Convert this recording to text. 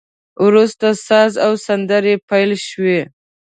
وروسته ساز او سندري پیل شوې.